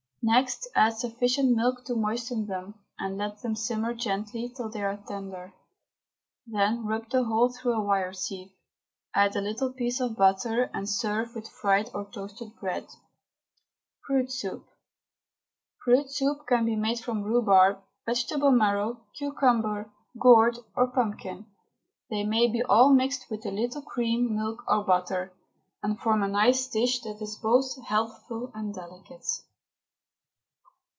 Next add sufficient milk to moisten them, and let them simmer gently till they are tender; then rub the whole through a wire sieve, add a little piece of butter, and serve with fried or toasted bread. FRUIT SOUP. Fruit soup can be made from rhubarb, vegetable marrow, cucumber, gourd, or pumpkin. They may be all mixed with a little cream, milk, or butter, and form a nice dish that is both healthful and delicate.